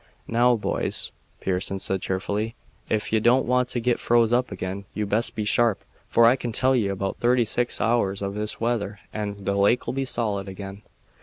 "Now, boys," Pearson said cheerfully, "ef ye don't want to git froze up again you'd best be sharp, for I can tell ye about thirty six hours of this weather and the lake'll be solid again."